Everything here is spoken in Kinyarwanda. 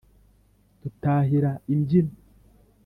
Dutahira imbyino